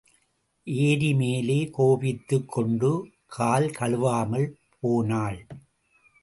ஏரி மேலே கோபித்துக் கொண்டு கால் கழுவாமல் போனாள்.